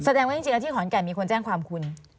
แสดงว่าจริงแล้วที่ขอนแก่นมีคนแจ้งความคุณ